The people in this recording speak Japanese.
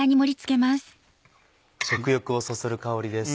食欲をそそる香りです。